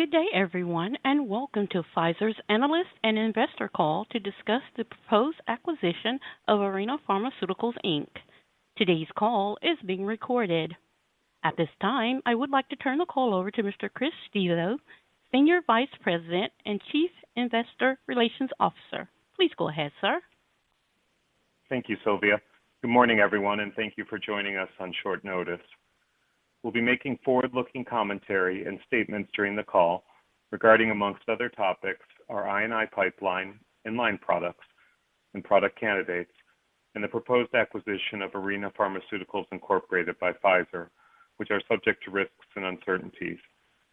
Good day, everyone, and welcome to Pfizer's Analyst and Investor Call to discuss the proposed acquisition of Arena Pharmaceuticals, Inc. Today's call is being recorded. At this time, I would like to turn the call over to Mr. Chris Stevo, Senior Vice President and Chief Investor Relations Officer. Please go ahead, sir. Thank you, Sylvia. Good morning, everyone, and thank you for joining us on short notice. We'll be making forward-looking commentary and statements during the call regarding, among other topics, our I&I pipeline and in-line products and product candidates, and the proposed acquisition of Arena Pharmaceuticals Incorporated by Pfizer, which are subject to risks and uncertainties.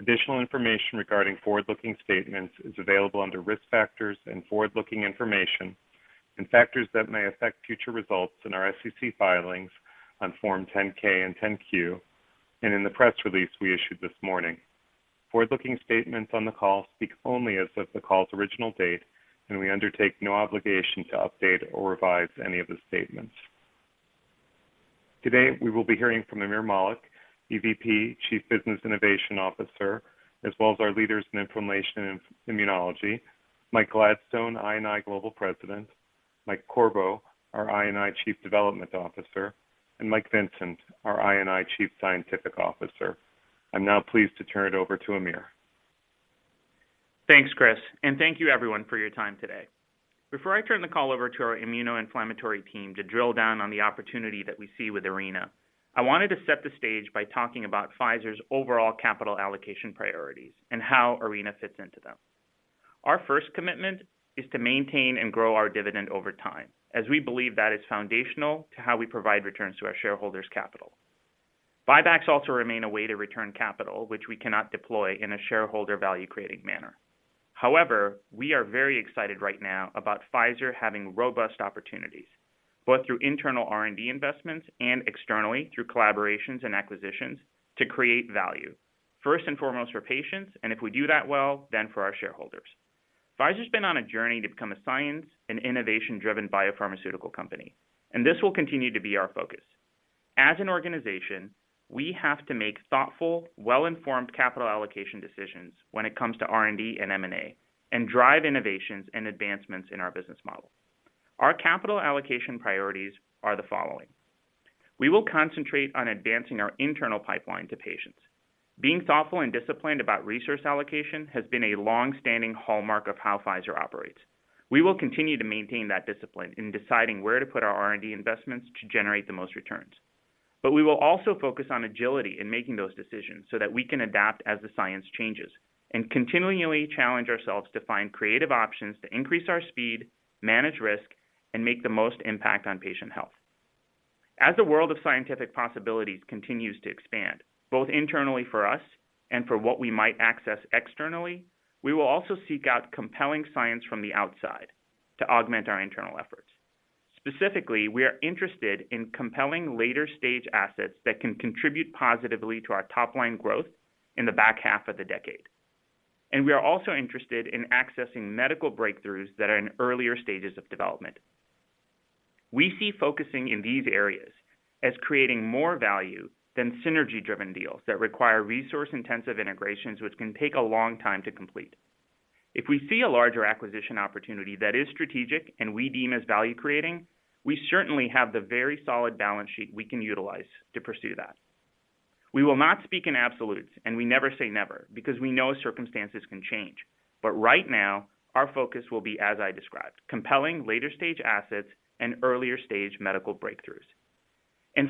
Additional information regarding forward-looking statements is available under Risk Factors and Forward-Looking Information and factors that may affect future results in our SEC filings on Form 10-K and 10-Q and in the press release we issued this morning. Forward-looking statements on the call speak only as of the call's original date, and we undertake no obligation to update or revise any of the statements. Today, we will be hearing from Aamir Malik, EVP, Chief Business Innovation Officer, as well as our leaders in inflammation and immunology, Mike Gladstone, I&I Global President, Mike Corbo, our I&I Chief Development Officer, and Mike Vincent, our I&I Chief Scientific Officer. I'm now pleased to turn it over to Aamir. Thanks, Chris, and thank you everyone for your time today. Before I turn the call over to our immuno-inflammatory team to drill down on the opportunity that we see with Arena, I wanted to set the stage by talking about Pfizer's overall capital allocation priorities and how Arena fits into them. Our first commitment is to maintain and grow our dividend over time, as we believe that is foundational to how we provide returns to our shareholders' capital. Buybacks also remain a way to return capital, which we cannot deploy in a shareholder value-creating manner. However, we are very excited right now about Pfizer having robust opportunities, both through internal R&D investments and externally through collaborations and acquisitions to create value, first and foremost for patients, and if we do that well, then for our shareholders. Pfizer's been on a journey to become a science and innovation-driven biopharmaceutical company, and this will continue to be our focus. As an organization, we have to make thoughtful, well-informed capital allocation decisions when it comes to R&D and M&A and drive innovations and advancements in our business model. Our capital allocation priorities are the following. We will concentrate on advancing our internal pipeline to patients. Being thoughtful and disciplined about resource allocation has been a long-standing hallmark of how Pfizer operates. We will continue to maintain that discipline in deciding where to put our R&D investments to generate the most returns. We will also focus on agility in making those decisions so that we can adapt as the science changes and continually challenge ourselves to find creative options to increase our speed, manage risk, and make the most impact on patient health. As the world of scientific possibilities continues to expand, both internally for us and for what we might access externally, we will also seek out compelling science from the outside to augment our internal efforts. Specifically, we are interested in compelling later-stage assets that can contribute positively to our top-line growth in the back half of the decade. We are also interested in accessing medical breakthroughs that are in earlier stages of development. We see focusing in these areas as creating more value than synergy-driven deals that require resource-intensive integrations, which can take a long time to complete. If we see a larger acquisition opportunity that is strategic and we deem as value-creating, we certainly have the very solid balance sheet we can utilize to pursue that. We will not speak in absolutes, and we never say never, because we know circumstances can change. Right now, our focus will be as I described, compelling later-stage assets and earlier-stage medical breakthroughs.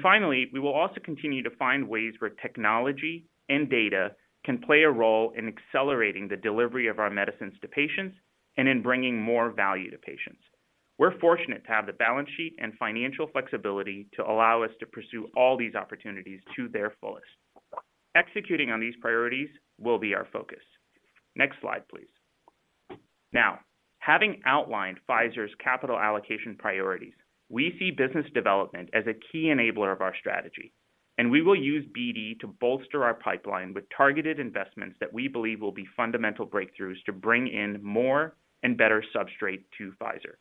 Finally, we will also continue to find ways where technology and data can play a role in accelerating the delivery of our medicines to patients and in bringing more value to patients. We're fortunate to have the balance sheet and financial flexibility to allow us to pursue all these opportunities to their fullest. Executing on these priorities will be our focus. Next slide, please. Now, having outlined Pfizer's capital allocation priorities, we see business development as a key enabler of our strategy, and we will use BD to bolster our pipeline with targeted investments that we believe will be fundamental breakthroughs to bring in more and better substrate to Pfizer.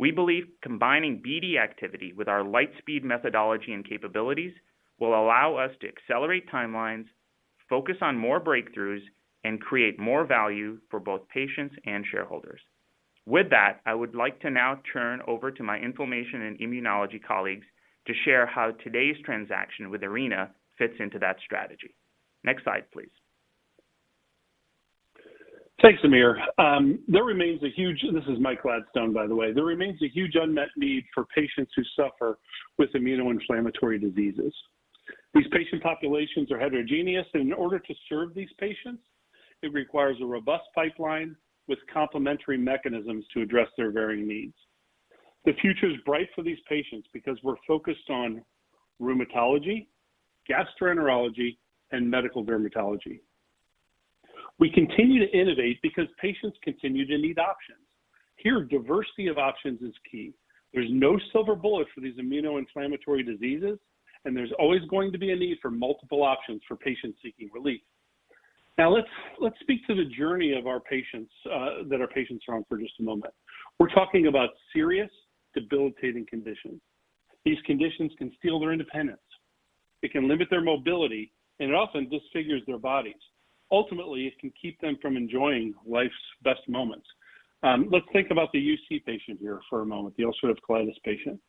We believe combining BD activity with our lightspeed methodology and capabilities will allow us to accelerate timelines, focus on more breakthroughs, and create more value for both patients and shareholders. With that, I would like to now turn over to my Inflammation and Immunology colleagues to share how today's transaction with Arena fits into that strategy. Next slide, please. Thanks, Aamir. This is Mike Gladstone, by the way. There remains a huge unmet need for patients who suffer with immunoinflammatory diseases. These patient populations are heterogeneous, and in order to serve these patients, it requires a robust pipeline with complementary mechanisms to address their varying needs. The future is bright for these patients because we're focused on rheumatology, gastroenterology, and medical dermatology. We continue to innovate because patients continue to need options. Here, diversity of options is key. There's no silver bullet for these immunoinflammatory diseases, and there's always going to be a need for multiple options for patients seeking relief. Now let's speak to the journey of our patients that our patients are on for just a moment. We're talking about serious, debilitating conditions. These conditions can steal their independence, it can limit their mobility, and it often disfigures their bodies. Ultimately, it can keep them from enjoying life's best moments. Let's think about the UC patient here for a moment, the ulcerative colitis patient.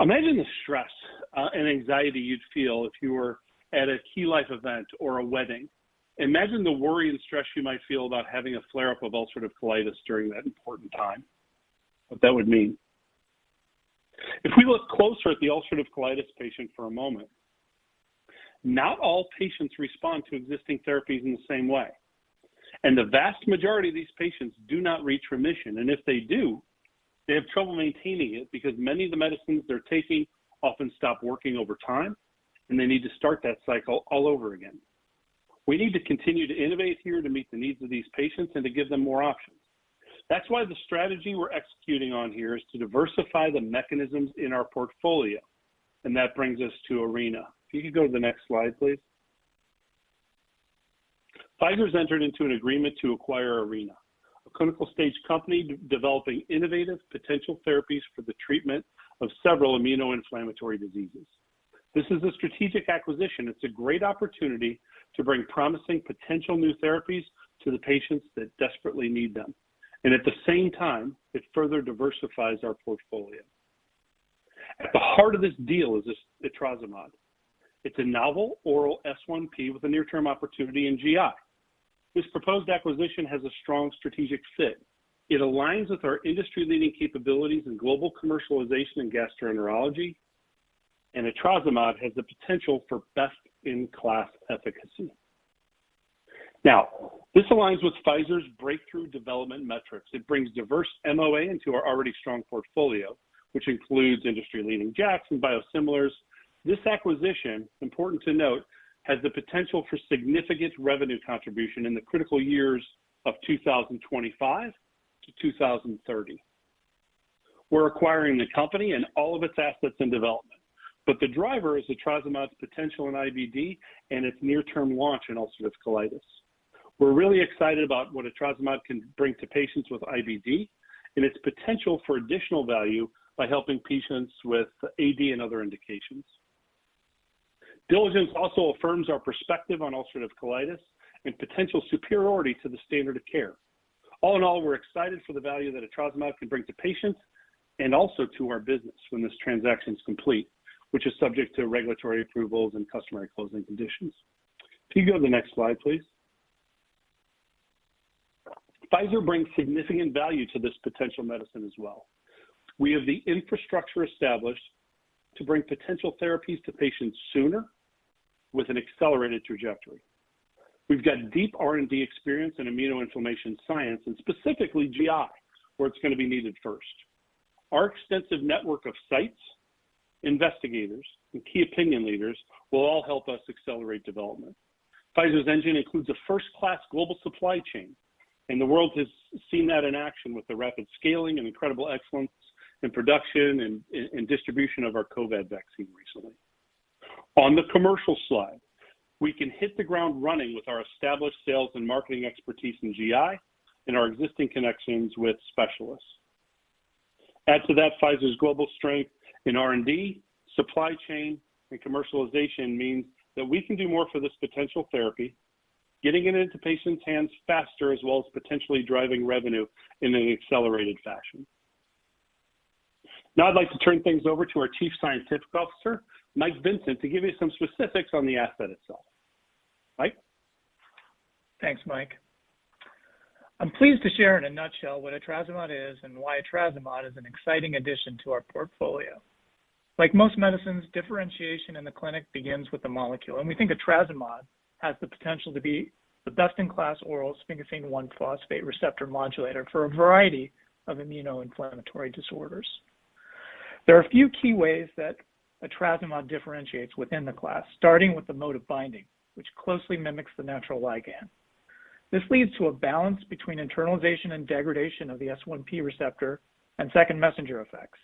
Imagine the stress and anxiety you'd feel if you were at a key life event or a wedding. Imagine the worry and stress you might feel about having a flare-up of ulcerative colitis during that important time. What that would mean. If we look closer at the ulcerative colitis patient for a moment, not all patients respond to existing therapies in the same way. The vast majority of these patients do not reach remission, and if they do, they have trouble maintaining it because many of the medicines they're taking often stop working over time, and they need to start that cycle all over again. We need to continue to innovate here to meet the needs of these patients and to give them more options. That's why the strategy we're executing on here is to diversify the mechanisms in our portfolio, and that brings us to Arena. If you could go to the next slide, please. Pfizer's entered into an agreement to acquire Arena, a clinical-stage company developing innovative potential therapies for the treatment of several immunoinflammatory diseases. This is a strategic acquisition. It's a great opportunity to bring promising potential new therapies to the patients that desperately need them. At the same time, it further diversifies our portfolio. At the heart of this deal is this etrasimod. It's a novel oral S1P with a near-term opportunity in GI. This proposed acquisition has a strong strategic fit. It aligns with our industry-leading capabilities in global commercialization and gastroenterology, and etrasimod has the potential for best-in-class efficacy. Now, this aligns with Pfizer's breakthrough development metrics. It brings diverse MOA into our already strong portfolio, which includes industry-leading JAKs and biosimilars. This acquisition, important to note, has the potential for significant revenue contribution in the critical years of 2025 to 2030. We're acquiring the company and all of its assets and development. The driver is etrasimod's potential in IBD and its near-term launch in ulcerative colitis. We're really excited about what etrasimod can bring to patients with IBD and its potential for additional value by helping patients with AD and other indications. Diligence also affirms our perspective on ulcerative colitis and potential superiority to the standard of care. All in all, we're excited for the value that etrasimod can bring to patients and also to our business when this transaction is complete, which is subject to regulatory approvals and customary closing conditions. Can you go to the next slide, please? Pfizer brings significant value to this potential medicine as well. We have the infrastructure established to bring potential therapies to patients sooner with an accelerated trajectory. We've got deep R&D experience in immunoinflammation science, and specifically GI, where it's gonna be needed first. Our extensive network of sites, investigators, and key opinion leaders will all help us accelerate development. Pfizer's engine includes a first-class global supply chain, and the world has seen that in action with the rapid scaling and incredible excellence in production and distribution of our COVID vaccine recently. On the commercial slide, we can hit the ground running with our established sales and marketing expertise in GI and our existing connections with specialists. Add to that Pfizer's global strength in R&D, supply chain, and commercialization means that we can do more for this potential therapy, getting it into patients' hands faster, as well as potentially driving revenue in an accelerated fashion. Now I'd like to turn things over to our Chief Scientific Officer, Mike Vincent, to give you some specifics on the asset itself. Mike? Thanks, Mike. I'm pleased to share in a nutshell what etrasimod is and why etrasimod is an exciting addition to our portfolio. Like most medicines, differentiation in the clinic begins with the molecule, and we think etrasimod has the potential to be the best-in-class oral sphingosine 1-phosphate receptor modulator for a variety of immunoinflammatory disorders. There are a few key ways that etrasimod differentiates within the class, starting with the mode of binding, which closely mimics the natural ligand. This leads to a balance between internalization and degradation of the S1P receptor and second messenger effects.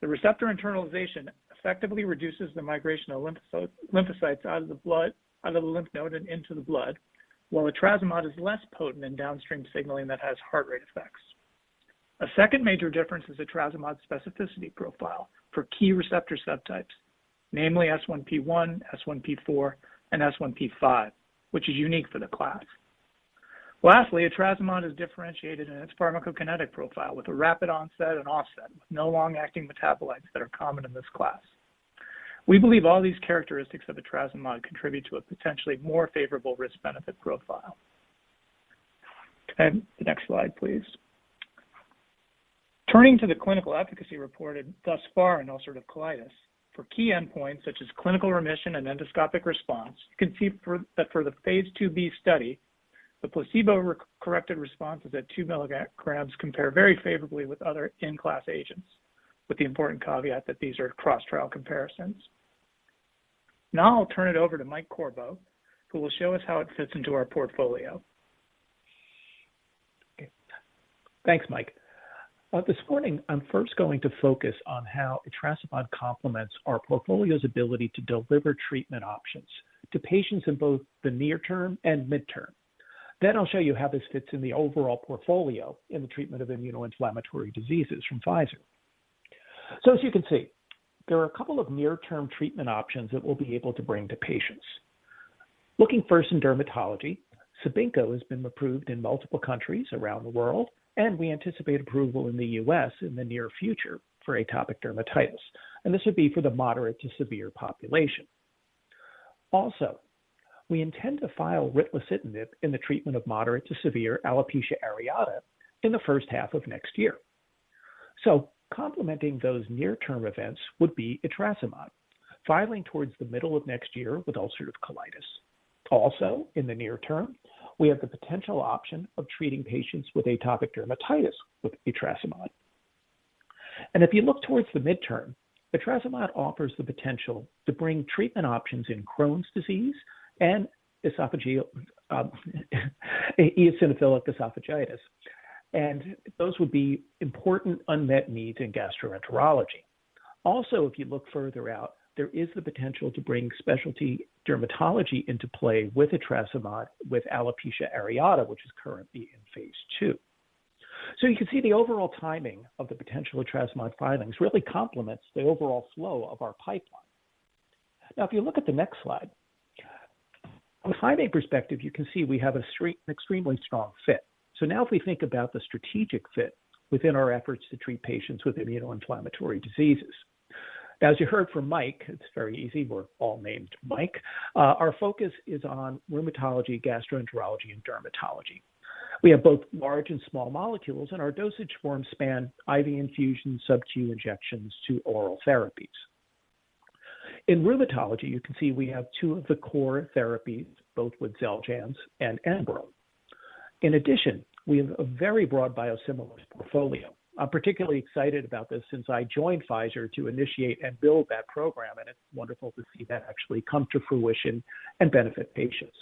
The receptor internalization effectively reduces the migration of lymphocytes out of the lymph node and into the blood, while etrasimod is less potent in downstream signaling that has heart rate effects. A second major difference is etrasimod's specificity profile for key receptor subtypes, namely S1P1, S1P4, and S1P5, which is unique for the class. Lastly, etrasimod is differentiated in its pharmacokinetic profile with a rapid onset and offset, with no long-acting metabolites that are common in this class. We believe all these characteristics of etrasimod contribute to a potentially more favorable risk-benefit profile. Can I have the next slide, please? Turning to the clinical efficacy reported thus far in ulcerative colitis, for key endpoints such as clinical remission and endoscopic response, you can see that for the phase IIb study, the placebo-adjusted responses at 2 mg compare very favorably with other in-class agents, with the important caveat that these are cross-trial comparisons. Now I'll turn it over to Mike Corbo, who will show us how it fits into our portfolio. Thanks, Mike. This morning, I'm first going to focus on how etrasimod complements our portfolio's ability to deliver treatment options to patients in both the near term and midterm. I'll show you how this fits in the overall portfolio in the treatment of immunoinflammatory diseases from Pfizer. As you can see, there are a couple of near-term treatment options that we'll be able to bring to patients. Looking first in dermatology, CIBINQO has been approved in multiple countries around the world, and we anticipate approval in the U.S. in the near future for atopic dermatitis, and this would be for the moderate to severe population. Also, we intend to file ritlecitinib in the treatment of moderate to severe alopecia areata in the first half of next year. Complementing those near-term events would be etrasimod, filing towards the middle of next year with ulcerative colitis. Also, in the near term, we have the potential option of treating patients with atopic dermatitis with etrasimod. If you look towards the midterm, etrasimod offers the potential to bring treatment options in Crohn's disease and eosinophilic esophagitis. Those would be important unmet needs in gastroenterology. Also, if you look further out, there is the potential to bring specialty dermatology into play with etrasimod with alopecia areata, which is currently in phase II. You can see the overall timing of the potential etrasimod filings really complements the overall flow of our pipeline. Now if you look at the next slide, from a timing perspective, you can see we have extremely strong fit. Now if we think about the strategic fit within our efforts to treat patients with immunoinflammatory diseases. As you heard from Mike, it's very easy, we're all named Mike, our focus is on rheumatology, gastroenterology, and dermatology. We have both large and small molecules, and our dosage forms span IV infusions, sub-Q injections to oral therapies. In rheumatology, you can see we have two of the core therapies, both with XELJANZ and ENBREL. In addition, we have a very broad biosimilars portfolio. I'm particularly excited about this since I joined Pfizer to initiate and build that program, and it's wonderful to see that actually come to fruition and benefit patients.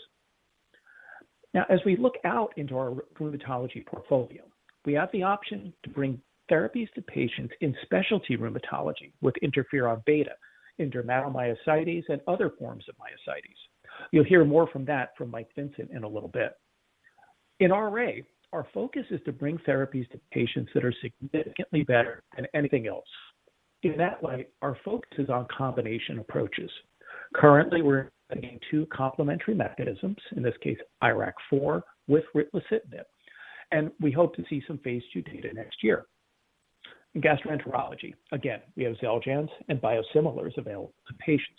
Now as we look out into our rheumatology portfolio, we have the option to bring therapies to patients in specialty rheumatology with interferon beta in dermatomyositis and other forms of myositis. You'll hear more about that from Mike Vincent in a little bit. In RA, our focus is to bring therapies to patients that are significantly better than anything else. In that light, our focus is on combination approaches. Currently, we're looking at two complementary mechanisms, in this case IRAK4 with ritlecitinib, and we hope to see some phase II data next year. In gastroenterology, again, we have XELJANZ and biosimilars available to patients.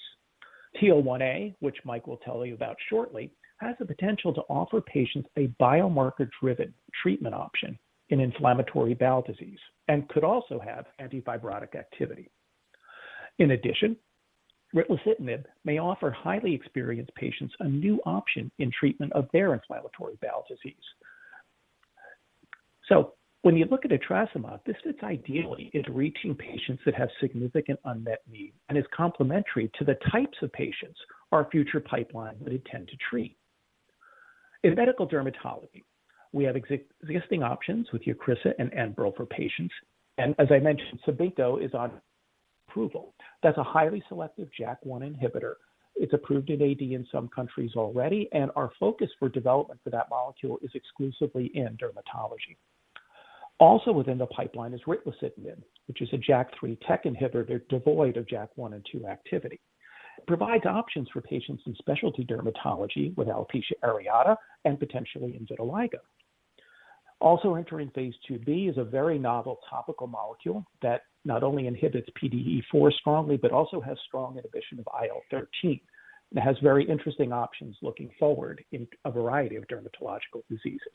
TL1A, which Mike will tell you about shortly, has the potential to offer patients a biomarker-driven treatment option in inflammatory bowel disease and could also have antifibrotic activity. In addition, ritlecitinib may offer highly experienced patients a new option in treatment of their inflammatory bowel disease. When you look at etrasimod, this fits ideally into reaching patients that have significant unmet need and is complementary to the types of patients our future pipeline would intend to treat. In medical dermatology, we have existing options with EUCRISA and ENBREL for patients. As I mentioned, CIBINQO is on approval. That's a highly selective JAK1 inhibitor. It's approved in AD in some countries already, and our focus for development for that molecule is exclusively in dermatology. Also within the pipeline is ritlecitinib, which is a JAK3/TEC inhibitor devoid of JAK1 and JAK2 activity. It provides options for patients in specialty dermatology with alopecia areata and potentially in vitiligo. Also entering phase IIb is a very novel topical molecule that not only inhibits PDE4 strongly but also has strong inhibition of IL-13, and it has very interesting options looking forward in a variety of dermatological diseases.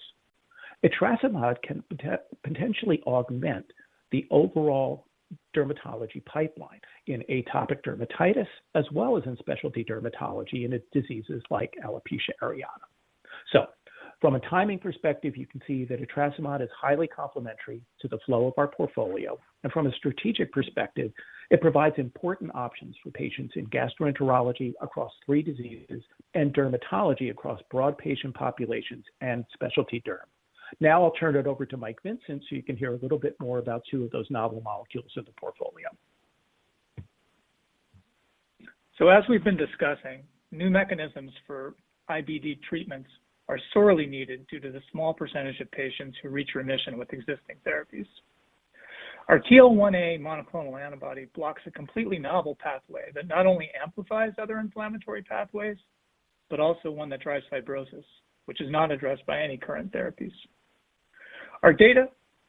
Etrasimod can potentially augment the overall dermatology pipeline in atopic dermatitis as well as in specialty dermatology in its diseases like alopecia areata. From a timing perspective, you can see that etrasimod is highly complementary to the flow of our portfolio. From a strategic perspective, it provides important options for patients in gastroenterology across three diseases and dermatology across broad patient populations and specialty derm. Now I'll turn it over to Mike Vincent so you can hear a little bit more about two of those novel molecules in the portfolio. As we've been discussing, new mechanisms for IBD treatments are sorely needed due to the small percentage of patients who reach remission with existing therapies. Our TL1A monoclonal antibody blocks a completely novel pathway that not only amplifies other inflammatory pathways, but also one that drives fibrosis, which is not addressed by any current therapies. Our data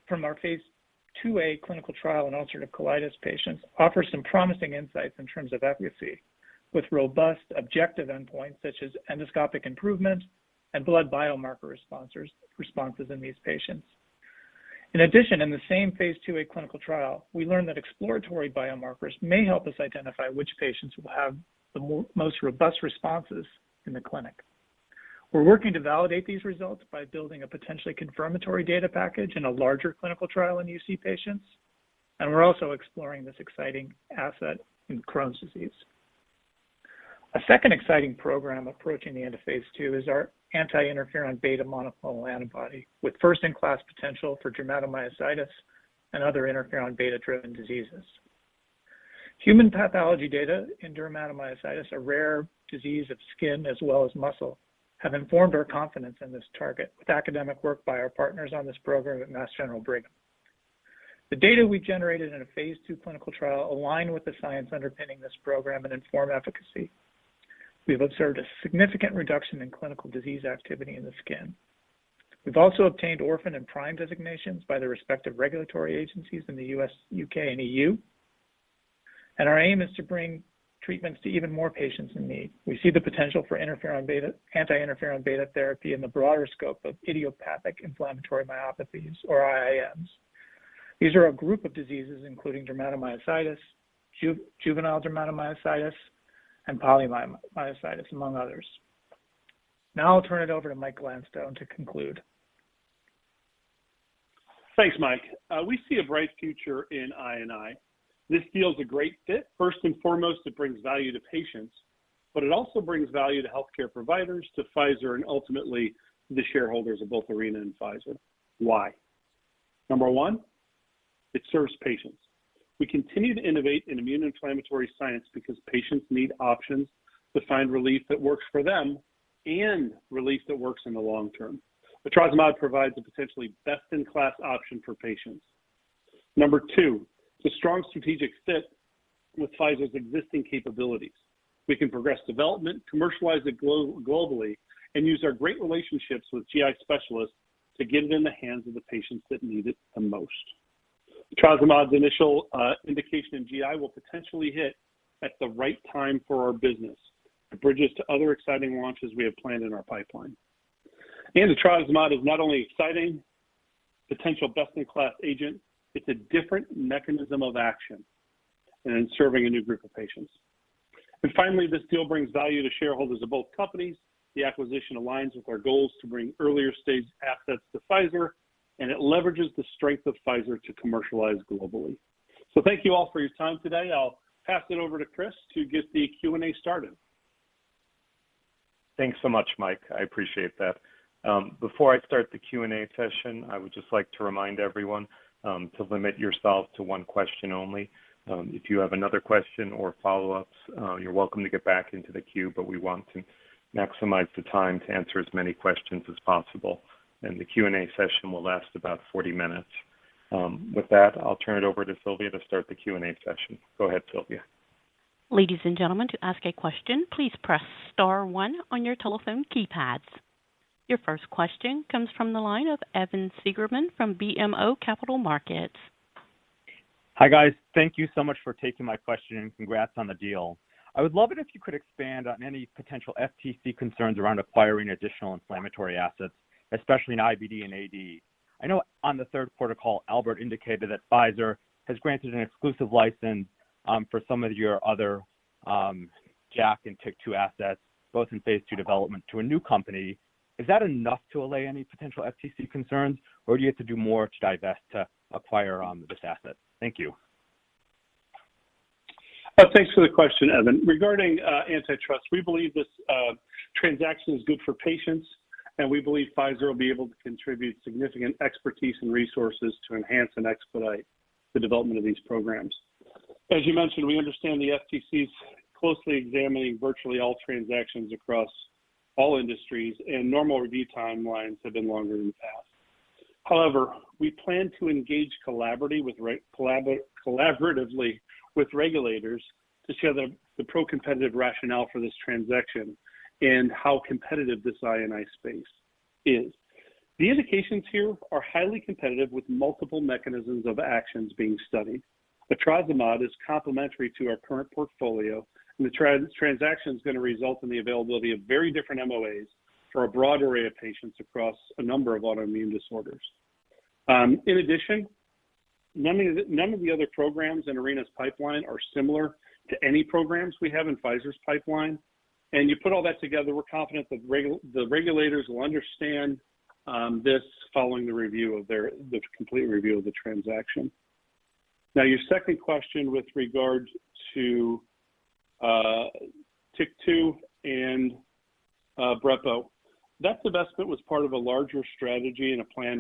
from our phase IIa clinical trial in ulcerative colitis patients offers some promising insights in terms of efficacy with robust objective endpoints such as endoscopic improvement and blood biomarker responses in these patients. In addition, in the same phase IIa clinical trial, we learned that exploratory biomarkers may help us identify which patients will have the most robust responses in the clinic. We're working to validate these results by building a potentially confirmatory data package in a larger clinical trial in UC patients, and we're also exploring this exciting asset in Crohn's disease. A second exciting program approaching the end of phase II is our anti-interferon beta monoclonal antibody with first-in-class potential for dermatomyositis and other interferon beta-driven diseases. Human pathology data in dermatomyositis, a rare disease of skin as well as muscle, have informed our confidence in this target with academic work by our partners on this program at Mass General Brigham. The data we generated in a phase II clinical trial align with the science underpinning this program and inform efficacy. We have observed a significant reduction in clinical disease activity in the skin. We've also obtained orphan and prime designations by the respective regulatory agencies in the U.S., U.K., and EU. Our aim is to bring treatments to even more patients in need. We see the potential for interferon beta anti-interferon beta therapy in the broader scope of idiopathic inflammatory myopathies, or IIMs. These are a group of diseases, including dermatomyositis, juvenile dermatomyositis, and polymyositis, among others. Now I'll turn it over to Mike Gladstone to conclude. Thanks, Mike. We see a bright future in I&I. This deal is a great fit. First and foremost, it brings value to patients, but it also brings value to healthcare providers, to Pfizer, and ultimately the shareholders of both Arena and Pfizer. Why? Number one, it serves patients. We continue to innovate in immune inflammatory science because patients need options to find relief that works for them and relief that works in the long term. Etrasimod provides a potentially best-in-class option for patients. Number two, it's a strong strategic fit with Pfizer's existing capabilities. We can progress development, commercialize it globally, and use our great relationships with GI specialists to get it in the hands of the patients that need it the most. Etrasimod's initial indication in GI will potentially hit at the right time for our business. It bridges to other exciting launches we have planned in our pipeline. Etrasimod is not only an exciting potential best-in-class agent, it's a different mechanism of action and serving a new group of patients. Finally, this deal brings value to shareholders of both companies. The acquisition aligns with our goals to bring earlier-stage assets to Pfizer, and it leverages the strength of Pfizer to commercialize globally. Thank you all for your time today. I'll pass it over to Chris to get the Q&A started. Thanks so much, Mike. I appreciate that. Before I start the Q&A session, I would just like to remind everyone to limit yourself to one question only. If you have another question or follow-ups, you're welcome to get back into the queue, but we want to maximize the time to answer as many questions as possible, and the Q&A session will last about 40 minutes. With that, I'll turn it over to Sylvia to start the Q&A session. Go ahead, Sylvia. Ladies and gentlemen, to ask a question, please press star one on your telephone keypads. Your first question comes from the line of Evan Seigerman from BMO Capital Markets. Hi, guys. Thank you so much for taking my question, and congrats on the deal. I would love it if you could expand on any potential FTC concerns around acquiring additional inflammatory assets, especially in IBD and AD. I know on the third quarter, Albert indicated that Pfizer has granted an exclusive license for some of your other JAK and TYK2 assets, both in phase II development to a new company. Is that enough to allay any potential FTC concerns, or do you have to do more to divest to acquire this asset? Thank you. Thanks for the question, Evan. Regarding antitrust, we believe this transaction is good for patients, and we believe Pfizer will be able to contribute significant expertise and resources to enhance and expedite the development of these programs. As you mentioned, we understand the FTC is closely examining virtually all transactions across all industries, and normal review timelines have been longer than the past. However, we plan to engage collaboratively with regulators to share the pro-competitive rationale for this transaction and how competitive this I&I space is. The indications here are highly competitive with multiple mechanisms of actions being studied. Etrasimod is complementary to our current portfolio. The transaction is going to result in the availability of very different MOAs for a broad array of patients across a number of autoimmune disorders. In addition, none of the other programs in Arena's pipeline are similar to any programs we have in Pfizer's pipeline. You put all that together, we're confident that the regulators will understand this following the complete review of the transaction. Now, your second question with regard to TYK2 and brepocitinib. That divestment was part of a larger strategy and a plan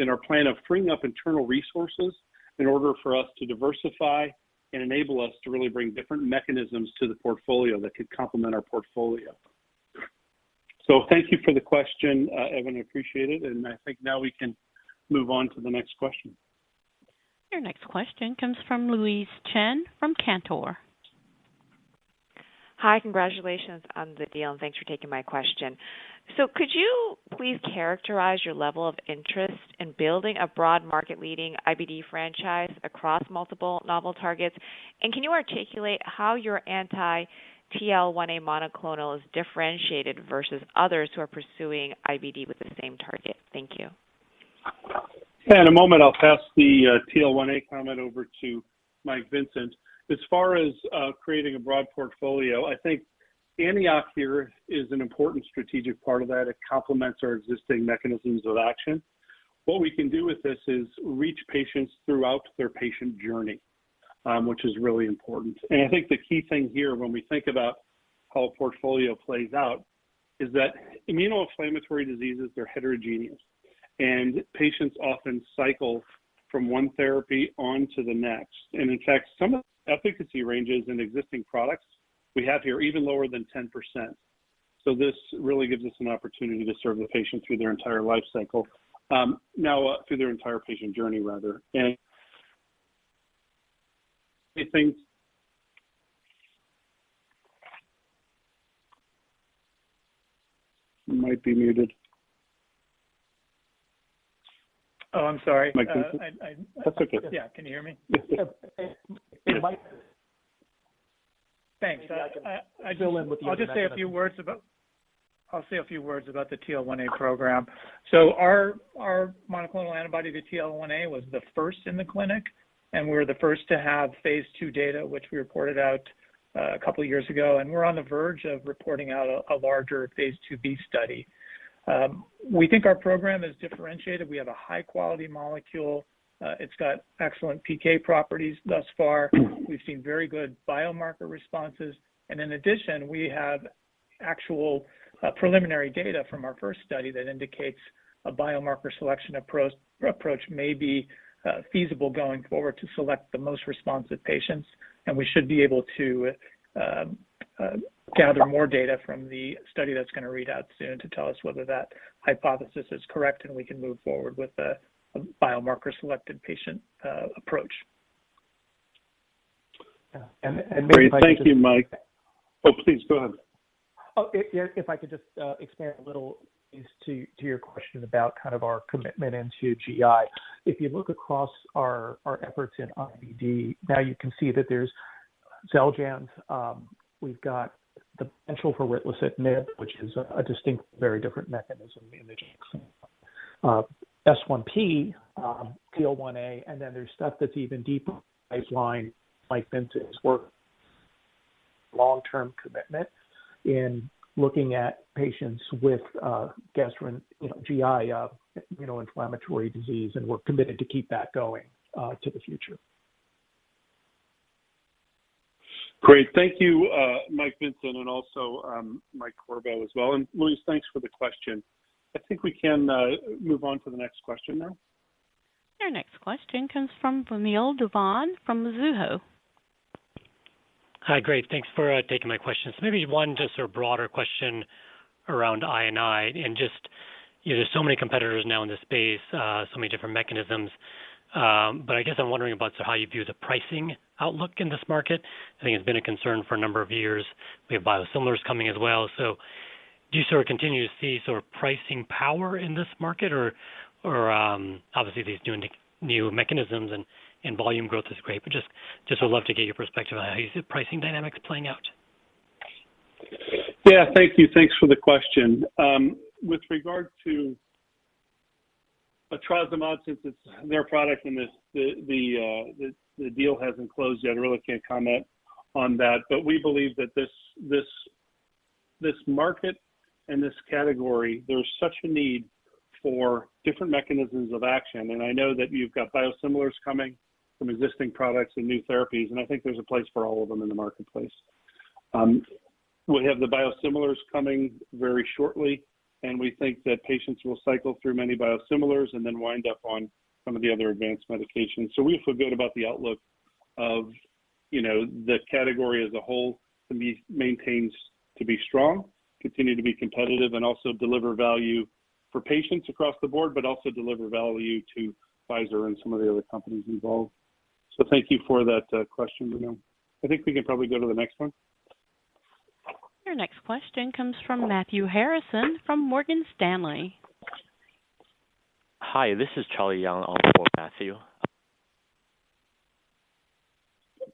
in our plan of freeing up internal resources in order for us to diversify and enable us to really bring different mechanisms to the portfolio that could complement our portfolio. Thank you for the question, Evan, I appreciate it, and I think now we can move on to the next question. Your next question comes from Louise Chen from Cantor. Hi. Congratulations on the deal, and thanks for taking my question. Could you please characterize your level of interest in building a broad market-leading IBD franchise across multiple novel targets? Can you articulate how your anti-TL1A monoclonal is differentiated versus others who are pursuing IBD with the same target? Thank you. Yeah, in a moment, I'll pass the TL1A comment over to Mike Vincent. As far as creating a broad portfolio, I think Antioch here is an important strategic part of that. It complements our existing mechanisms of action. What we can do with this is reach patients throughout their patient journey, which is really important. I think the key thing here when we think about how a portfolio plays out is that immunoinflammatory diseases are heterogeneous. Patients often cycle from one therapy on to the next. In fact, some of the efficacy ranges in existing products we have here are even lower than 10%. This really gives us an opportunity to serve the patient through their entire life cycle, now through their patient journey, rather. I think. You might be muted. Oh, I'm sorry. Mike Vincent. I, I- That's okay. Yeah. Can you hear me? Yes. Yeah. Thanks. Fill in with the- I'll say a few words about the TL1A program. Our monoclonal antibody, the TL1A, was the first in the clinic, and we're the first to have phase II data, which we reported out a couple of years ago, and we're on the verge of reporting out a larger phase IIb study. We think our program is differentiated. We have a high-quality molecule. It's got excellent PK properties thus far. We've seen very good biomarker responses. In addition, we have actual preliminary data from our first study that indicates a biomarker selection approach may be feasible going forward to select the most responsive patients, and we should be able to gather more data from the study that's gonna read out soon to tell us whether that hypothesis is correct and we can move forward with a biomarker selected patient approach. Great. Thank you, Mike. Oh, please go ahead. If I could just expand a little into your question about kind of our commitment into GI. If you look across our efforts in IBD, you can see that there's XELJANZ, we've got the potential for rituximab, which is a distinct, very different mechanism of action. S1P, TL1A, and then there's stuff that's even deeper in the pipeline, like Vincent's work. Long-term commitment in looking at patients with you know, GI, you know, inflammatory disease, and we're committed to keep that going into the future. Great. Thank you, Mike Vincent, and also, Mike Corbo as well. Louise, thanks for the question. I think we can move on to the next question now. Your next question comes from Vamil Divan from Mizuho. Hi. Great. Thanks for taking my questions. Maybe one just sort of broader question around I&I and just, you know, there's so many competitors now in the space, so many different mechanisms. But I guess I'm wondering about how you view the pricing outlook in this market. I think it's been a concern for a number of years. We have biosimilars coming as well. Do you sort of continue to see sort of pricing power in this market or obviously these new mechanisms and volume growth is great, but just would love to get your perspective on how you see the pricing dynamics playing out. Yeah. Thank you. Thanks for the question. With regard to etrasimod, since it's their product and the deal hasn't closed yet, I really can't comment on that. We believe that this market and this category, there's such a need for different mechanisms of action. I know that you've got biosimilars coming from existing products and new therapies, and I think there's a place for all of them in the marketplace. We have the biosimilars coming very shortly, and we think that patients will cycle through many biosimilars and then wind up on some of the other advanced medications. We feel good about the outlook of, you know, the category as a whole to be maintained strong, continue to be competitive, and also deliver value for patients across the board, but also deliver value to Pfizer and some of the other companies involved. Thank you for that question, Vamil. I think we can probably go to the next one. Your next question comes from Matthew Harrison from Morgan Stanley. Hi. This is Charlie Young on for Matthew.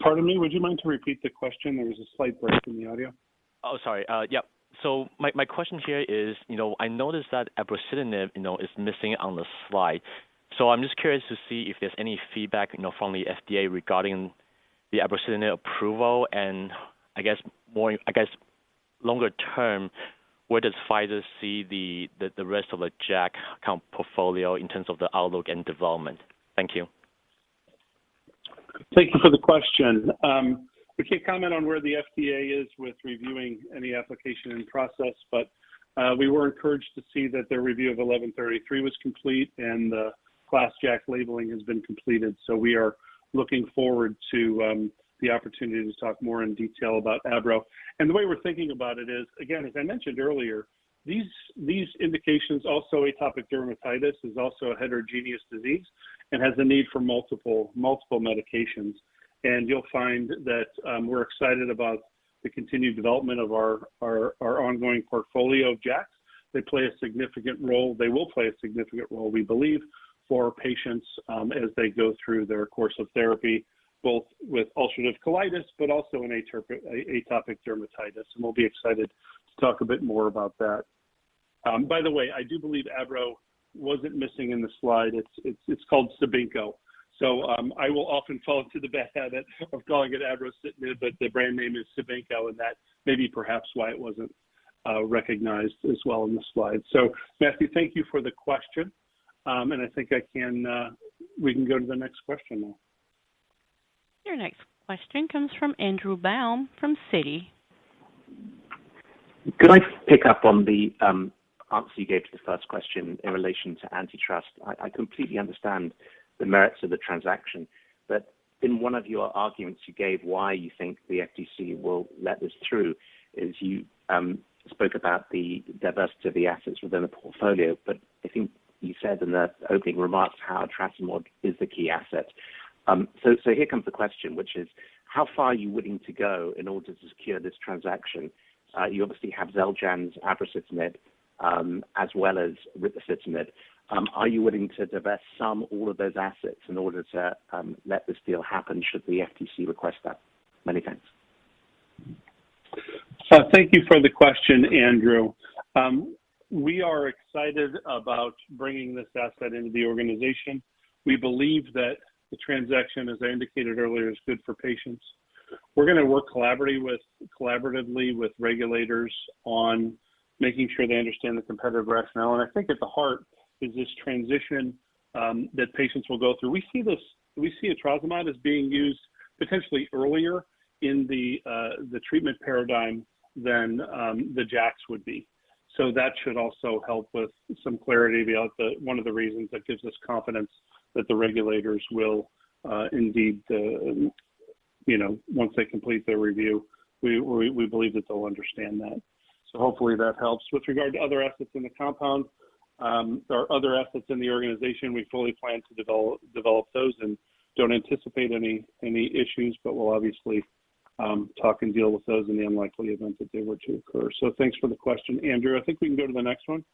Pardon me. Would you mind to repeat the question? There was a slight break in the audio. Oh, sorry. Yeah. My question here is, you know, I noticed that abrocitinib, you know, is missing on the slide. I'm just curious to see if there's any feedback, you know, from the FDA regarding the abrocitinib approval and I guess longer term, where does Pfizer see the rest of the JAK comp portfolio in terms of the outlook and development? Thank you. Thank you for the question. We can't comment on where the FDA is with reviewing any application in process, but we were encouraged to see that their review of A3921133 was complete and the class JAK labeling has been completed. We are looking forward to the opportunity to talk more in detail about abrocitinib. The way we're thinking about it is, again, as I mentioned earlier, these indications also atopic dermatitis is also a heterogeneous disease and has the need for multiple medications. You'll find that we're excited about the continued development of our ongoing portfolio of JAK. They play a significant role. They will play a significant role, we believe, for patients as they go through their course of therapy, both with ulcerative colitis but also in atopic dermatitis. We'll be excited to talk a bit more about that. By the way, I do believe abrocitinib wasn't missing in the slide. It's called CIBINQO. I will often fall into the bad habit of calling it abrocitinib, but the brand name is CIBINQO, and that may be perhaps why it wasn't recognized as well in the slide. Matthew, thank you for the question. We can go to the next question now. Your next question comes from Andrew Baum from Citi. Could I pick up on the answer you gave to the first question in relation to antitrust? I completely understand the merits of the transaction, but in one of your arguments you gave why you think the FTC will let this through is you spoke about the diversity of the assets within the portfolio. I think you said in the opening remarks how etrasimod is the key asset. Here comes the question, which is how far are you willing to go in order to secure this transaction? You obviously have XELJANZ, abrocitinib, as well as ritlecitinib. Are you willing to divest some, all of those assets in order to let this deal happen, should the FTC request that? Many thanks. Thank you for the question, Andrew. We are excited about bringing this asset into the organization. We believe that the transaction, as I indicated earlier, is good for patients. We're gonna work collaboratively with regulators on making sure they understand the competitive rationale. I think at the heart is this transition that patients will go through. We see etrasimod as being used potentially earlier in the treatment paradigm than the JAKs would be. That should also help with some clarity about one of the reasons that gives us confidence that the regulators will indeed, you know, once they complete their review, we believe that they'll understand that. Hopefully that helps. With regard to other assets in the compound, there are other assets in the organization. We fully plan to develop those and don't anticipate any issues, but we'll obviously talk and deal with those in the unlikely event that they were to occur. Thanks for the question, Andrew. I think we can go to the next one.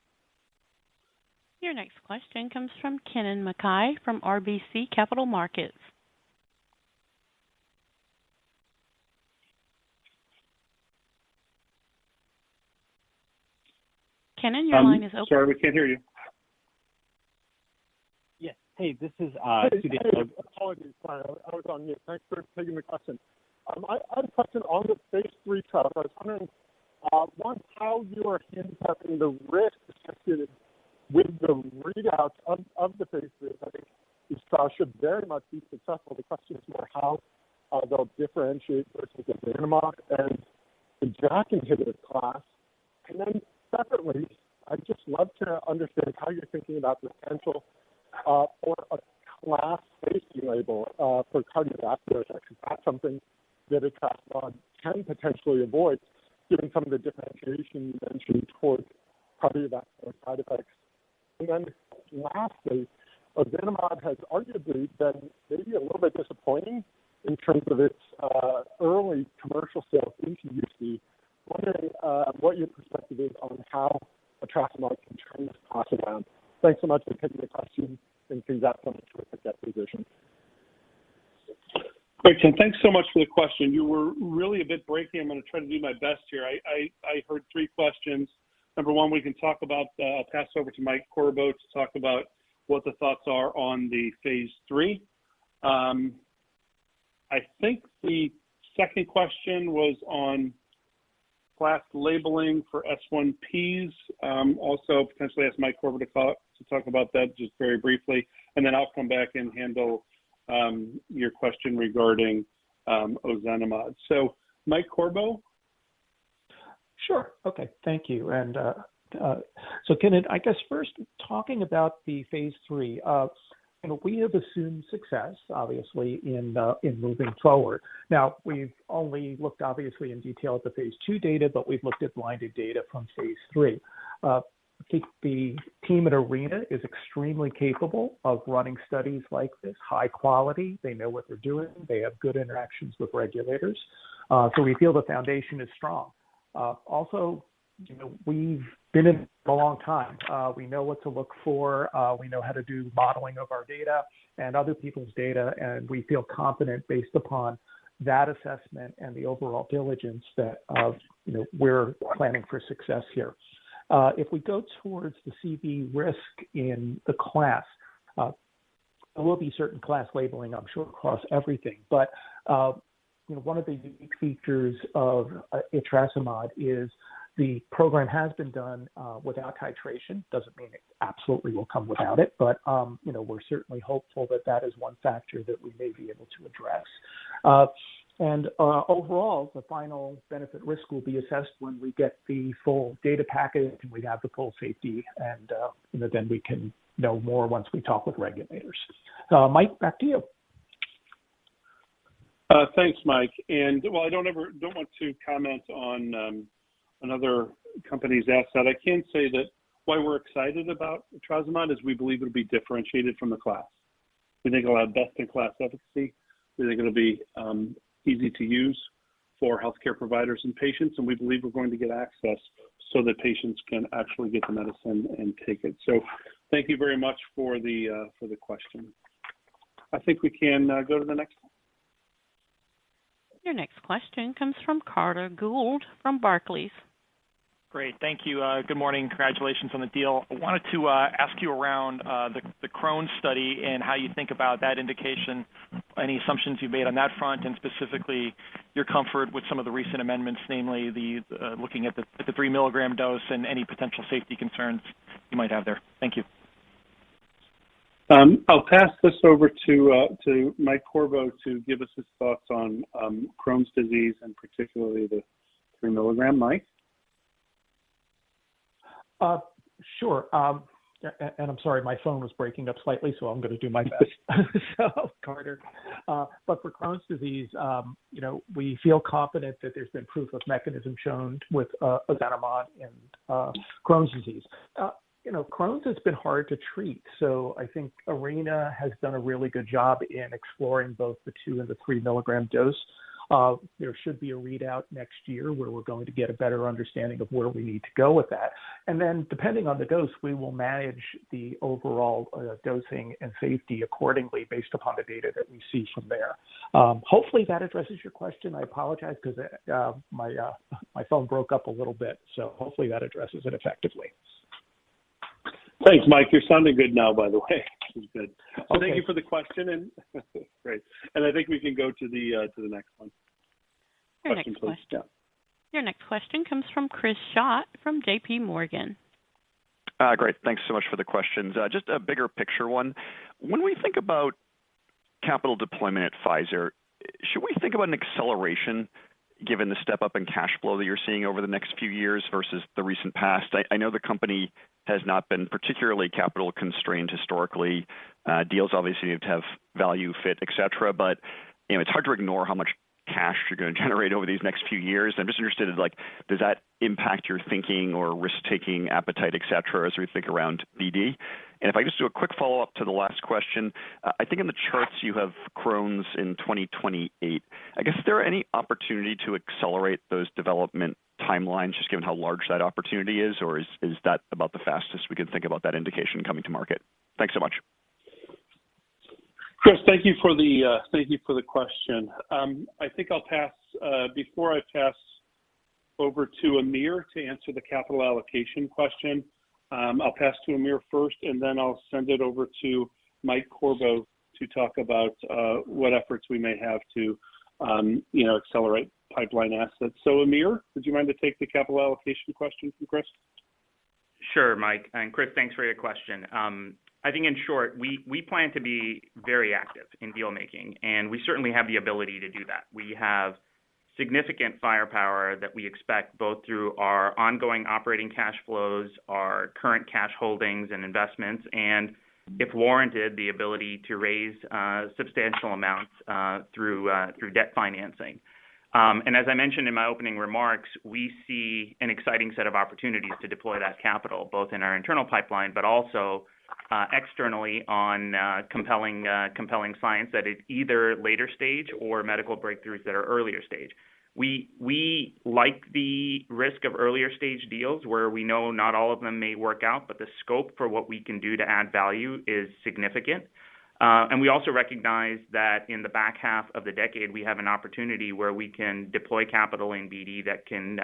Your next question comes from Kennen MacKay from RBC Capital Markets. Kennen, your line is open. I'm sorry we can't hear you. Yes. Hey, this is, Apologies. I was on mute. Thanks for taking the question. I had a question on the phase III trial. I was wondering, one, how you are handling the risk associated with the readouts of the phase III study. This trial should very much be successful. The question is more how they'll differentiate versus ozanimod and the JAK inhibitor class. Secondly, I'd just love to understand how you're thinking about the potential for a class-based label for cardiovascular sections. That's something that etrasimod can potentially avoid given some of the differentiation you mentioned towards cardiovascular side effects. Lastly, ozanimod has arguably been maybe a little bit disappointing in terms of its early commercial sales into UC. Wondering what your perspective is on how etrasimod can turn this class around. Thanks so much for taking the question, and congrats on a terrific acquisition. Great, Kennen. Thanks so much for the question. You were really a bit breaking up. I'm gonna try to do my best here. I heard three questions. Number one, I'll pass over to Mike Corbo to talk about what the thoughts are on the phase III. I think the second question was on class labeling for S1Ps. Also potentially ask Mike Corbo to talk about that just very briefly. Then I'll come back and handle your question regarding ozanimod. So Mike Corbo. Sure. Okay. Thank you. so Kennen, I guess first talking about the phase III. you know, we have assumed success, obviously, in moving forward. Now, we've only looked obviously in detail at the phase II data, but we've looked at blinded data from phase III. I think the team at Arena is extremely capable of running studies like this, high quality. They know what they're doing. They have good interactions with regulators. we feel the foundation is strong. also, you know, we've been in a long time. we know what to look for, we know how to do modeling of our data and other people's data, and we feel confident based upon that assessment and the overall diligence that, you know, we're planning for success here. If we go towards the CV risk in the class, there will be certain class labeling, I'm sure, across everything. You know, one of the unique features of etrasimod is the program has been done without titration. Doesn't mean it absolutely will come without it, but you know, we're certainly hopeful that that is one factor that we may be able to address. Overall, the final benefit risk will be assessed when we get the full data package, and we have the full safety and you know, then we can know more once we talk with regulators. Mike, back to you. Thanks, Mike. While I don't want to comment on another company's asset, I can say that why we're excited about etrasimod is we believe it'll be differentiated from the class. We think it'll have best-in-class efficacy. We think it'll be easy to use for healthcare providers and patients, and we believe we're going to get access so that patients can actually get the medicine and take it. Thank you very much for the question. I think we can go to the next one. Your next question comes from Carter Gould from Barclays. Great. Thank you. Good morning. Congratulations on the deal. I wanted to ask you about the Crohn's study and how you think about that indication, any assumptions you've made on that front, and specifically your comfort with some of the recent amendments, namely looking at the 3 mg dose and any potential safety concerns you might have there. Thank you. I'll pass this over to Mike Corbo to give us his thoughts on Crohn's disease and particularly the 3 mg. Mike? Sure. I'm sorry, my phone was breaking up slightly, so I'm gonna do my best. Carter, but for Crohn's disease, you know, we feel confident that there's been proof of mechanism shown with etrasimod in Crohn's disease. You know, Crohn's has been hard to treat, so I think Arena has done a really good job in exploring both the 2 mg and 3 mg dose. There should be a readout next year where we're going to get a better understanding of where we need to go with that. Depending on the dose, we will manage the overall dosing and safety accordingly based upon the data that we see from there. Hopefully that addresses your question. I apologize 'cause my phone broke up a little bit. Hopefully that addresses it effectively. Thanks, Mike. You're sounding good now, by the way. Which is good. Okay. Thank you for the question and great. I think we can go to the next one. Your next question. Question please, yeah. Your next question comes from Chris Schott from J.P. Morgan. Great. Thanks so much for the questions. Just a bigger picture one. When we think about capital deployment at Pfizer, should we think about an acceleration given the step-up in cash flow that you're seeing over the next few years versus the recent past? I know the company has not been particularly capital constrained historically. Deals obviously have to have value fit, et cetera, but, you know, it's hard to ignore how much cash you're gonna generate over these next few years. I'm just interested in like, does that impact your thinking or risk-taking appetite et cetera, as we think around BD? If I could just do a quick follow-up to the last question. I think in the charts you have Crohn's in 2028. I guess, is there any opportunity to accelerate those development timelines just given how large that opportunity is, or is that about the fastest we can think about that indication coming to market? Thanks so much. Chris, thank you for the question. I think I'll pass before I pass over to Aamir to answer the capital allocation question. I'll pass to Aamir first, and then I'll send it over to Mike Corbo to talk about what efforts we may have to you know accelerate pipeline assets. Aamir, would you mind to take the capital allocation question from Chris? Sure. Mike and Chris, thanks for your question. I think in short, we plan to be very active in deal-making, and we certainly have the ability to do that. We have significant firepower that we expect both through our ongoing operating cash flows, our current cash holdings and investments, and if warranted, the ability to raise substantial amounts through debt financing. As I mentioned in my opening remarks, we see an exciting set of opportunities to deploy that capital, both in our internal pipeline, but also externally on compelling science that is either later stage or medical breakthroughs that are earlier stage. We like the risk of earlier stage deals where we know not all of them may work out, but the scope for what we can do to add value is significant. We also recognize that in the back half of the decade, we have an opportunity where we can deploy capital in BD that can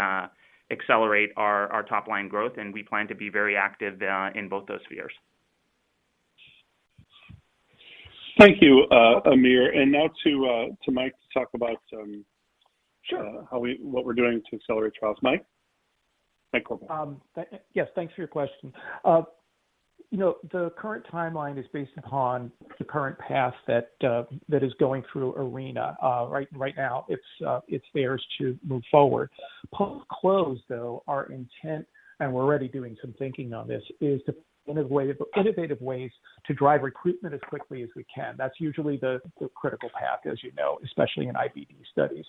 accelerate our top line growth, and we plan to be very active in both those spheres. Thank you, Aamir. Now to Mike to talk about. Sure what we're doing to accelerate trials. Mike? Mike Corbo. Yes, thanks for your question. You know, the current timeline is based upon the current path that is going through Arena. Right now, it's theirs to move forward. So, though, our intent, and we're already doing some thinking on this, is to find innovative ways to drive recruitment as quickly as we can. That's usually the critical path, as you know, especially in IBD studies.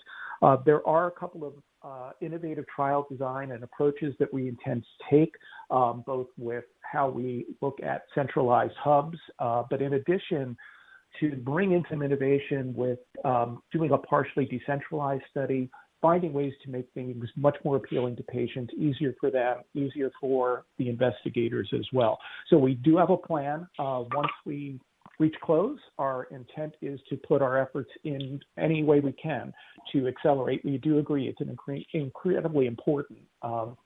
There are a couple of innovative trial design and approaches that we intend to take, both with how we look at centralized hubs, but in addition to bring in some innovation with doing a partially decentralized study, finding ways to make things much more appealing to patients, easier for them, easier for the investigators as well. We do have a plan. Once we reach close, our intent is to put our efforts in any way we can to accelerate. We do agree it's an incredibly important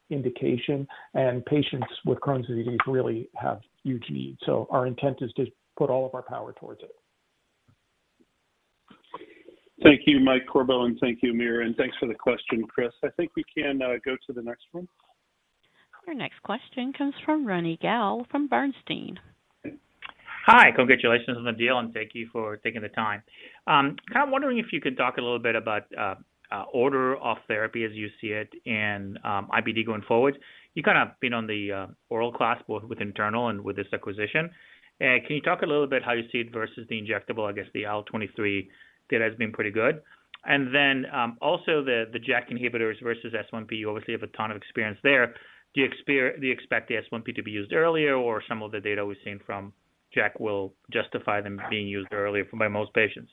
indication, and patients with Crohn's disease really have huge needs. Our intent is to put all of our power towards it. Thank you, Mike Corbo, and thank you, Aamir, and thanks for the question, Chris. I think we can go to the next one. Our next question comes from Ronny Gal from Bernstein. Hi. Congratulations on the deal, and thank you for taking the time. Kind of wondering if you could talk a little bit about order of therapy as you see it in IBD going forward. You kind of been on the oral class both with internal and with this acquisition. Can you talk a little bit how you see it versus the injectable? I guess the IL-23 data has been pretty good. Also the JAK inhibitors versus S1P. You obviously have a ton of experience there. Do you expect the S1P to be used earlier or some of the data we've seen from JAK will justify them being used earlier for by most patients?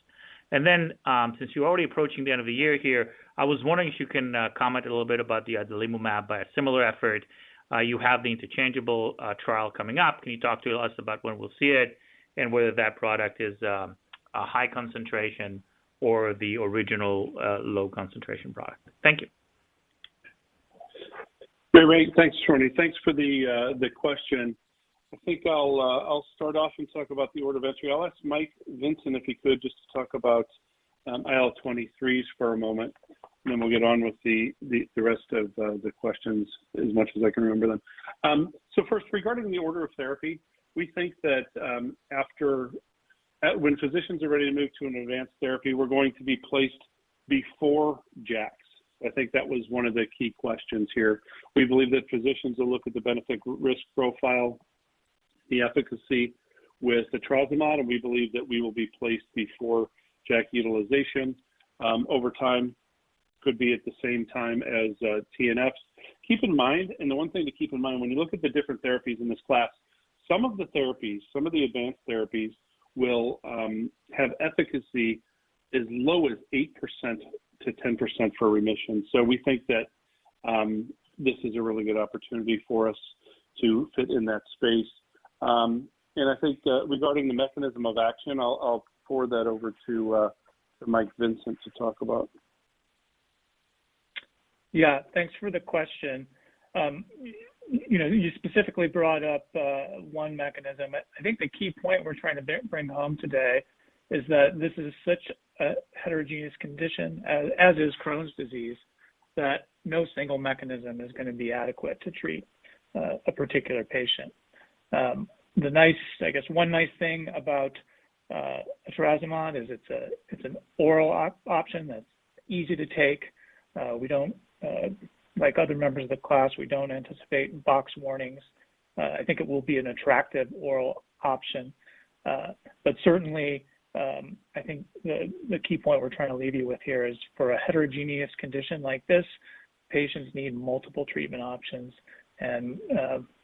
Since you're already approaching the end of the year here, I was wondering if you can comment a little bit about the adalimumab biosimilar effort. You have the interchangeable trial coming up. Can you talk to us about when we'll see it and whether that product is a high concentration or the original low concentration product? Thank you. Great. Thanks, Ronnie. Thanks for the question. I think I'll start off and talk about the order of entry. I'll ask Mike Vincent, if he could, just to talk about IL-23s for a moment, then we'll get on with the rest of the questions as much as I can remember them. So first, regarding the order of therapy, we think that when physicians are ready to move to an advanced therapy, we're going to be placed before JAKs. I think that was one of the key questions here. We believe that physicians will look at the benefit-risk profile, the efficacy with etrasimod, and we believe that we will be placed before JAK utilization. Over time, could be at the same time as TNFs. Keep in mind. The one thing to keep in mind when you look at the different therapies in this class, some of the therapies, some of the advanced therapies will have efficacy as low as 8%-10% for remission. We think that this is a really good opportunity for us to fit in that space. I think, regarding the mechanism of action, I'll forward that over to Mike Vincent to talk about. Yeah. Thanks for the question. You know, you specifically brought up one mechanism. I think the key point we're trying to bring home today is that this is such a heterogeneous condition as is Crohn's disease, that no single mechanism is gonna be adequate to treat a particular patient. I guess one nice thing about etrasimod is it's an oral option that's easy to take. Unlike other members of the class, we don't anticipate box warnings. I think it will be an attractive oral option. Certainly, I think the key point we're trying to leave you with here is for a heterogeneous condition like this, patients need multiple treatment options and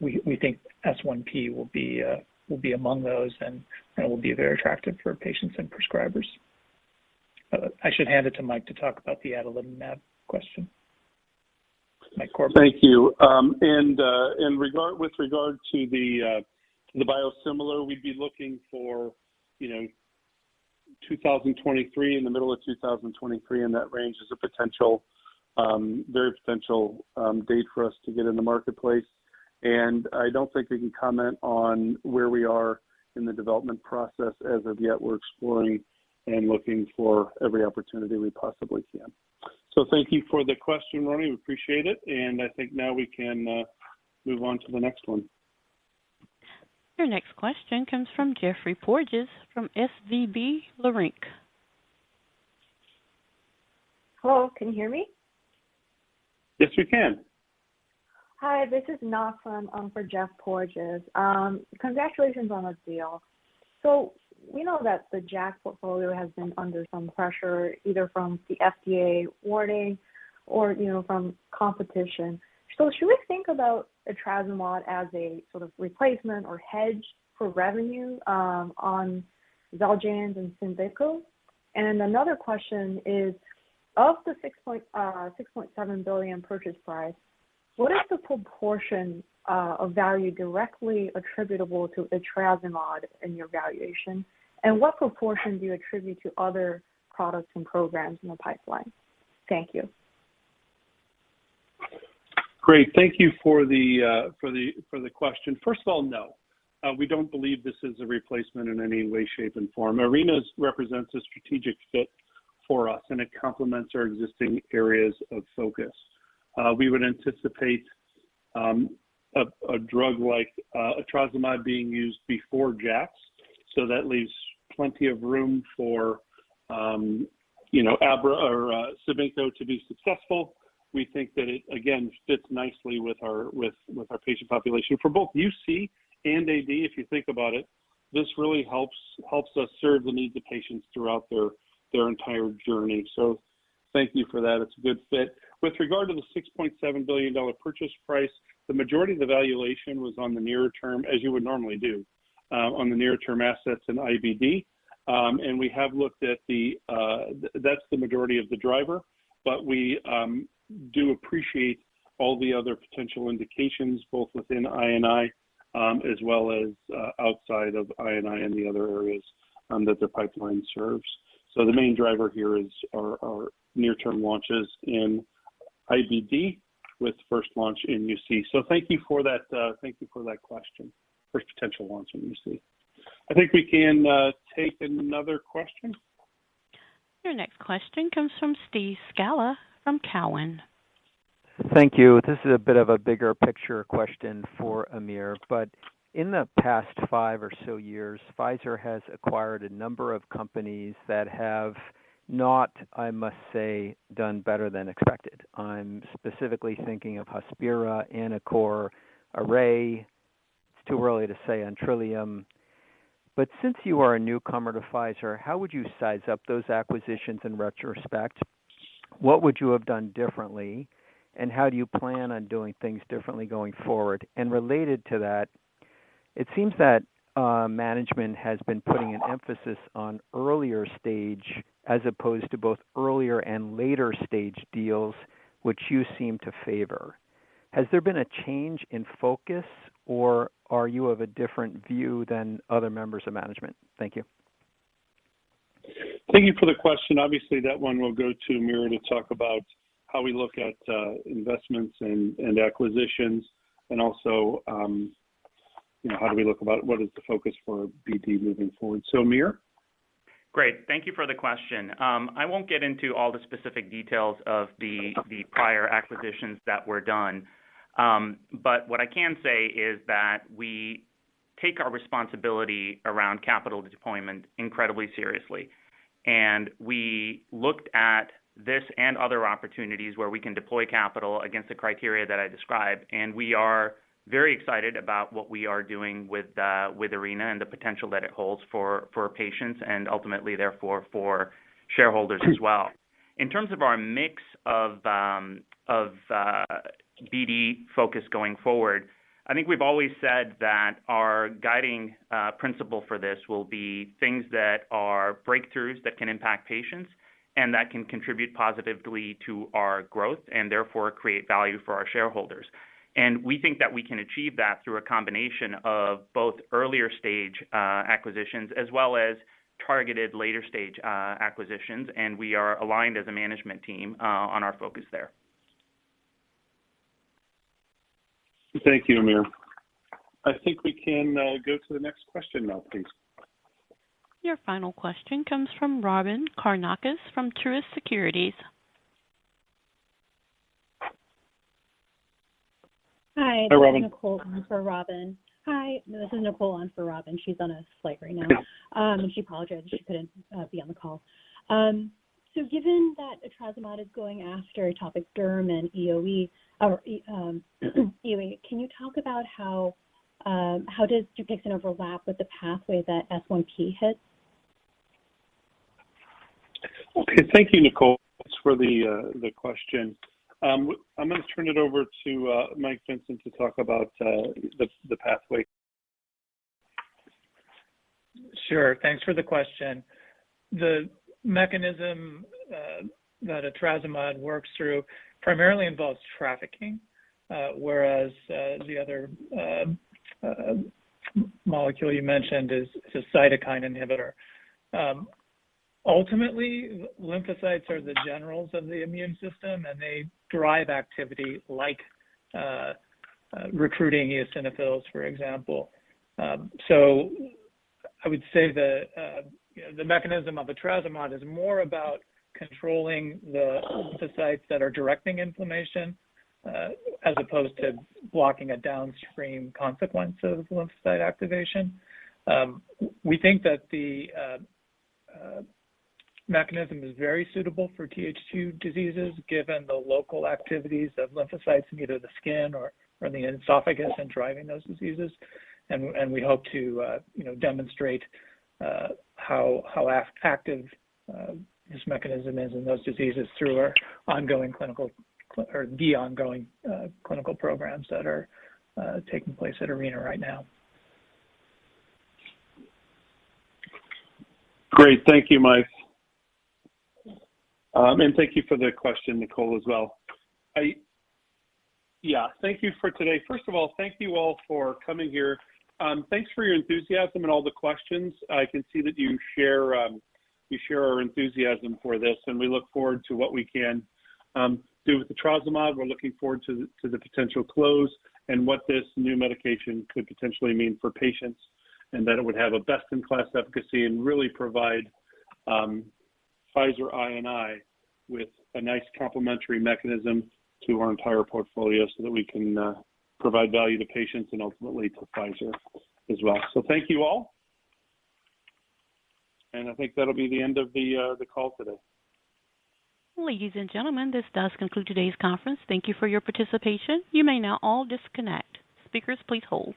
we think S1P will be among those and will be very attractive for patients and prescribers. I should hand it to Mike to talk about the adalimumab question. Mike Corbo. Thank you. With regard to the biosimilar, we'd be looking for, you know, 2023, in the middle of 2023, in that range as a potential very potential date for us to get in the marketplace. I don't think we can comment on where we are in the development process as of yet. We're exploring and looking for every opportunity we possibly can. Thank you for the question, Ronny. We appreciate it, and I think now we can move on to the next one. Your next question comes from Geoffrey Porges from SVB Leerink. Hello, can you hear me? Yes, we can. Hi, this is Na for Geoffrey Porges. Congratulations on the deal. We know that the JAK portfolio has been under some pressure, either from the FDA warning or, you know, from competition. Should we think about etrasimod as a sort of replacement or hedge for revenue on XELJANZ and CIBINQO? Another question is, of the $6.7 billion purchase price, what is the proportion of value directly attributable to etrasimod in your valuation? What proportion do you attribute to other products and programs in the pipeline? Thank you. Great. Thank you for the question. First of all, no. We don't believe this is a replacement in any way, shape, and form. Arena represents a strategic fit for us, and it complements our existing areas of focus. We would anticipate a drug like etrasimod being used before JAKs, so that leaves plenty of room for, you know, abrocitinib or CIBINQO to be successful. We think that it, again, fits nicely with our patient population. For both UC and AD, if you think about it, this really helps us serve the needs of patients throughout their entire journey. Thank you for that. It's a good fit. With regard to the $6.7 billion purchase price, the majority of the valuation was on the nearer term, as you would normally do, on the nearer term assets in IBD. That's the majority of the driver, but we do appreciate all the other potential indications, both within I&I, as well as outside of I&I and the other areas that the pipeline serves. The main driver here is our near-term launches in IBD with first launch in UC. Thank you for that question. First potential launch in UC. I think we can take another question. Your next question comes from Steve Scala from Cowen. Thank you. This is a bit of a bigger picture question for Aamir. In the past five or so years, Pfizer has acquired a number of companies that have not, I must say, done better than expected. I'm specifically thinking of Hospira, Anacor, Array. It's too early to say on Trillium. Since you are a newcomer to Pfizer, how would you size up those acquisitions in retrospect? What would you have done differently, and how do you plan on doing things differently going forward? Related to that, it seems that management has been putting an emphasis on earlier stage as opposed to both earlier and later stage deals, which you seem to favor. Has there been a change in focus, or are you of a different view than other members of management? Thank you. Thank you for the question. Obviously, that one will go to Aamir to talk about how we look at investments and acquisitions and also, you know, how we look at what is the focus for BD moving forward? Aamir? Great. Thank you for the question. I won't get into all the specific details of the prior acquisitions that were done. But what I can say is that we take our responsibility around capital deployment incredibly seriously. We looked at this and other opportunities where we can deploy capital against the criteria that I described, and we are very excited about what we are doing with Arena and the potential that it holds for patients and ultimately therefore for shareholders as well. In terms of our mix of BD focus going forward, I think we've always said that our guiding principle for this will be things that are breakthroughs that can impact patients and that can contribute positively to our growth and therefore create value for our shareholders. We think that we can achieve that through a combination of both earlier stage acquisitions as well as targeted later stage acquisitions, and we are aligned as a management team on our focus there. Thank you, Aamir. I think we can go to the next question now, please. Your final question comes from Robyn Karnauskas from Truist Securities. Hi. Hello- This is Nicole on for Robyn. Hi, this is Nicole on for Robyn. She's on a flight right now. She apologizes she couldn't be on the call. Given that etrasimod is going after atopic derm and EOE, can you talk about how does Dupixent overlap with the pathway that S1P hits? Okay. Thank you, Nicole, for the question. I'm gonna turn it over to Mike Vincent to talk about the pathway. Sure. Thanks for the question. The mechanism that etrasimod works through primarily involves trafficking, whereas the other molecule you mentioned is a cytokine inhibitor. Ultimately, lymphocytes are the generals of the immune system, and they drive activity like recruiting eosinophils, for example. I would say the mechanism of etrasimod is more about controlling the lymphocytes that are directing inflammation, as opposed to blocking a downstream consequence of lymphocyte activation. We think that the mechanism is very suitable for TH2 diseases, given the local activities of lymphocytes in either the skin or the esophagus and driving those diseases. We hope to demonstrate how active this mechanism is in those diseases through our ongoing clinical programs that are taking place at Arena right now. Great. Thank you, Mike. Thank you for the question, Nicole, as well. Yeah, thank you for today. First of all, thank you all for coming here. Thanks for your enthusiasm and all the questions. I can see that you share our enthusiasm for this, and we look forward to what we can do with etrasimod. We're looking forward to the potential close and what this new medication could potentially mean for patients, and that it would have a best-in-class efficacy and really provide Pfizer I&I with a nice complementary mechanism to our entire portfolio so that we can provide value to patients and ultimately to Pfizer as well. Thank you all. I think that'll be the end of the call today. Ladies and gentlemen, this does conclude today's conference. Thank you for your participation. You may now all disconnect. Speakers, please hold.